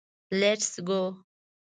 لېټس ګو.